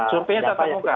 surveinya tata muka